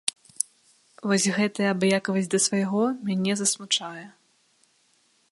Вось гэтая абыякавасць да свайго мяне засмучае.